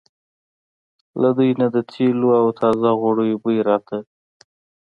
له دوی نه د تېلو او تازه غوړیو بوی راته.